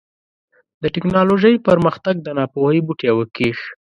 د ټيکنالوژۍ پرمختګ د ناپوهۍ بوټی وکېښ.